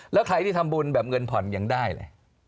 แล้วใครที่ทำบุญแบบเงินผ่อนยังได้เลย